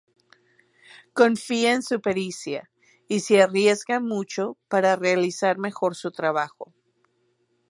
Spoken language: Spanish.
Confía en su pericia y se arriesga mucho para realizar mejor su trabajo.